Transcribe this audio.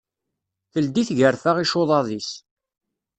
Teldi tgarfa icuḍaḍ-is.